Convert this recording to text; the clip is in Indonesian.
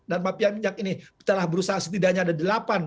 dan mapia minyak ini telah berusaha setidaknya ada delapan